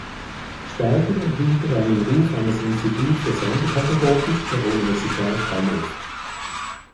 Später erhielt er einen Ruf an das Institut für Sonderpädagogik der Universität Hannover.